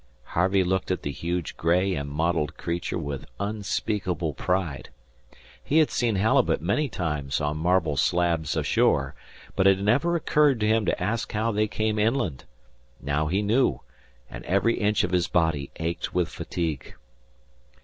Harvey looked at the huge gray and mottled creature with unspeakable pride. He had seen halibut many times on marble slabs ashore, but it had never occurred to him to ask how they came inland. Now he knew; and every inch of his body ached with fatigue.